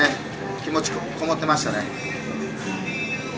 気持ちがこもってましたね。